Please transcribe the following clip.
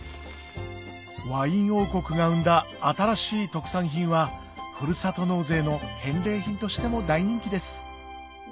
ワイン王国が生んだ新しい特産品はふるさと納税の返礼品としても大人気です